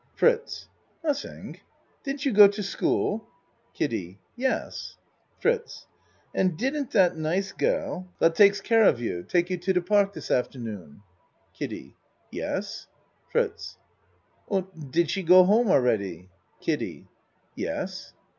FRITZ Nothing? Didn't you go to school? KIDDIE Yes. FRITZ And didn't that nice girl wat takes care 10 A MAN'S WORLD of you, take you to de park dis afternoon? KIDDIE Yes. FRITZ And did she go home already? KIDDIE Yes.